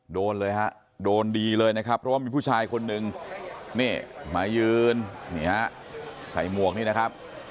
โดนเลยฮะโดนดีเลยนะครับเพราะว่ามีผู้ชายคนหนึ่งนี่มายืนนี่ฮะใส่หมวกนี่นะครับ